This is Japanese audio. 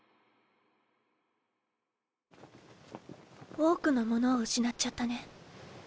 多くのものを失っちゃったね。